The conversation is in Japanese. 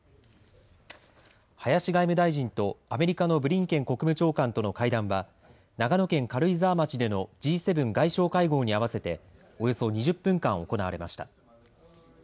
林外務大臣とアメリカのブリンケン国務長官との会談は長野県軽井沢町でのＧ７外相会合にあわせておよそ２０分間、行われました。